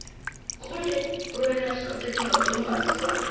これ黒柳さん的にはどうなんですか？